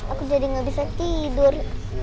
aku jadi gak bisa tidur